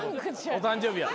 お誕生日や。